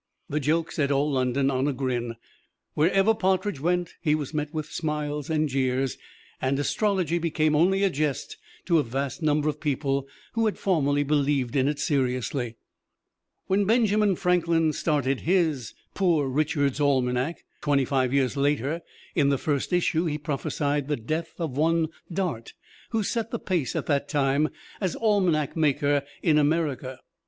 The joke set all London on a grin. Wherever Partridge went he was met with smiles and jeers, and astrology became only a jest to a vast number of people who had formerly believed in it seriously. When Benjamin Franklin started his "Poor Richard's Almanac," twenty five years later, in the first issue he prophesied the death of one Dart who set the pace at that time as almanac maker in America.